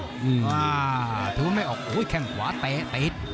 ถือว่าไม่ออกโอ้ยแข่งขวาเต๊ะเต๊ะ